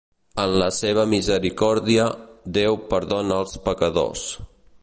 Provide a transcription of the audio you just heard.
En la seva misericòrdia, Déu perdona els pecadors.